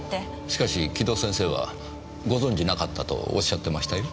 しかし城戸先生はご存じなかったとおっしゃってましたよ。